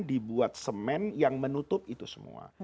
dibuat semen yang menutup itu semua